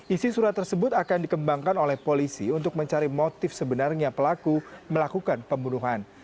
isi surat tersebut akan dikembangkan oleh polisi untuk mencari motif sebenarnya pelaku melakukan pembunuhan